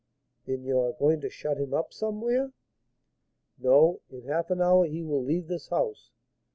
"Then you are going to shut him up somewhere?" "No; in half an hour he will leave this house."